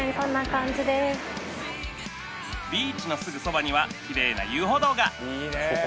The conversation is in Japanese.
ビーチのすぐそばにはきれいな遊歩道が！